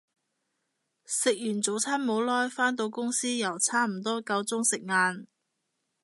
食完早餐冇耐，返到公司又差唔多夠鐘食晏